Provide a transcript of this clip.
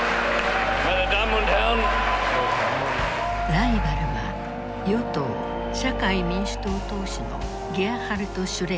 ライバルは与党社会民主党党首のゲアハルト・シュレーダー。